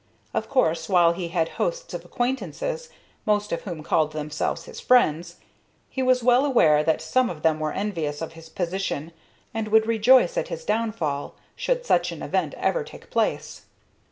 Of course, while he had hosts of acquaintances, most of whom called themselves his friends, he was well aware that some of them were envious of his position and would rejoice at his downfall, should such an event ever take place.